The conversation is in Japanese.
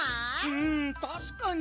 うんたしかに。